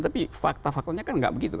tapi fakta faktanya kan nggak begitu